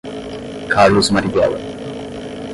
Carlos Marighella